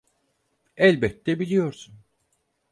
Elbette biliyorsun.